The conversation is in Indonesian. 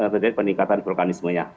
sedangkan peningkatan vokalismenya